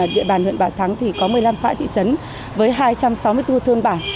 địa bàn huyện bà thắng có một mươi năm xã thị trấn với hai trăm sáu mươi bốn thương bản